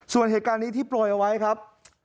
ส่วนเหตุการณ์นี้ที่โปรยเอาไว้ครับ